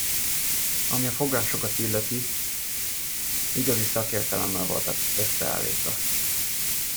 Ami a fogásokat illeti, igazi szakértelemmel voltak összeállítva.